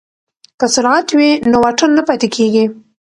که سرعت وي نو واټن نه پاتې کیږي.